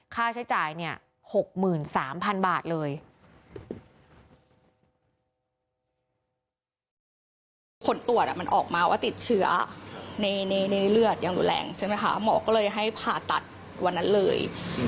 ค่าใช้จ่ายเนี่ย๖๓๐๐๐บาทเลย